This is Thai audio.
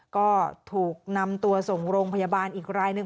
ก็ถูกนำตัวส่งโรงพยาบาลอีกรายหนึ่ง